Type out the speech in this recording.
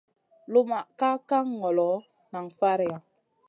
Lumʼma ka kan ŋolo, nan faraiya.